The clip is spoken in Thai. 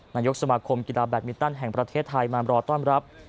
นายกสมาคมกีฬาแบตมินตันแห่งประเทศไทยมารอต้อนรับ